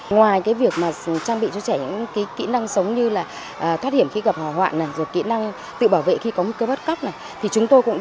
ngoài việc trang bị cho trẻ kỹ năng sống như thoát hiểm khi gặp hòa hoạn kỹ năng tự bảo vệ khi có nguy cơ bắt cóc